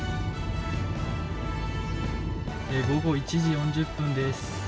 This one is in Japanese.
午後１時４０分です。